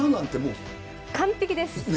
完璧です。